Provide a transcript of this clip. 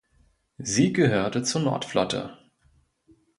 Sie gehörte zur Nordflotte.